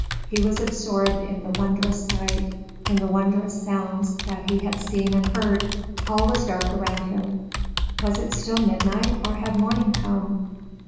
He was absorbed in the wondrous sight, in the wondrous sounds, that he had seen and heard. All was dark around him. Was it still midnight or had morning come?